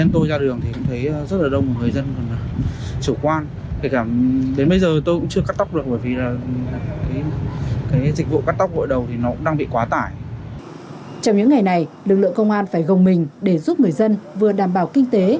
trong những ngày này lực lượng công an phải gồng mình để giúp người dân vừa đảm bảo kinh tế